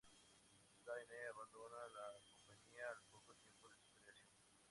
Deane abandonó la compañía al poco tiempo de su creación.